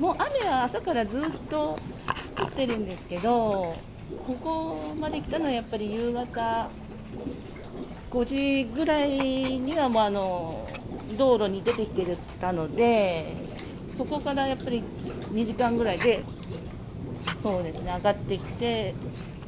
雨が朝からずっと降っているんですけどここまで来たのはやっぱり夕方５時ぐらいには道路に出てきていたので、そこから２時間ぐらいで上がってきて。